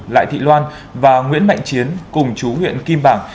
lại thị loan và nguyễn mạnh chiến cùng chú huyện kim bảng